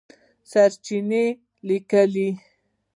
سرچېنې لیکلي